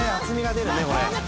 厚みが出るねこれ。